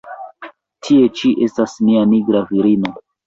Tie ĉi estas nia nigra virino!